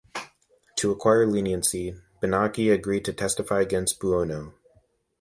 To acquire leniency, Bianchi agreed to testify against Buono.